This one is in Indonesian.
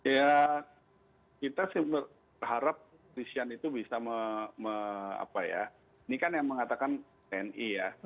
ya kita sih berharap polisian itu bisa apa ya ini kan yang mengatakan tni ya